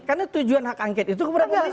karena tujuan hak angket itu kebijakan pemerintah